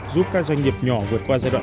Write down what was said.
giúp các doanh nghiệp nhỏ vượt qua giai đoạn